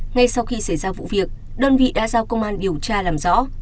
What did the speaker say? ngay sau khi xảy ra vụ việc đơn vị đã giao công an điều tra làm rõ